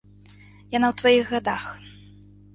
Яна ў тваіх гадах.